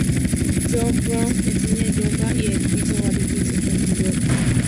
John McAfee enseña yoga y ha escrito varios libros sobre el yoga.